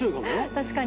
確かに。